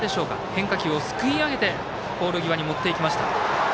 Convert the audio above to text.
変化球をすくい上げてポール際に持っていきました。